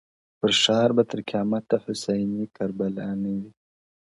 پر ښار به تر قیامته حسیني کربلا نه وي -